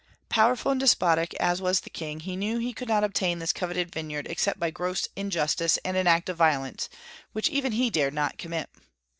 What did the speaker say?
Powerful and despotic as was the king, he knew he could not obtain this coveted vineyard except by gross injustice and an act of violence, which even he dared not commit.